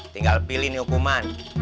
tinggal pilih nih hukuman